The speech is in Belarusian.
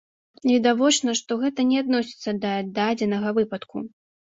Відавочна, што гэта не адносіцца да дадзенага выпадку.